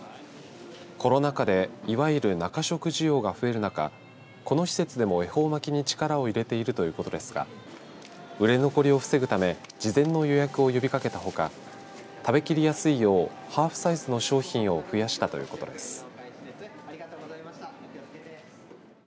コロナ禍でいわゆる中食需要が増える中この施設でも、恵方巻きに力を入れているということですが売れ残りを防ぐため事前の予約を呼びかけたほか食べ切りやすいようハーフサイズの商品を増やしたということです。